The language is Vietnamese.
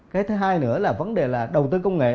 cái thứ hai nữa là vấn đề là đầu tư công nghệ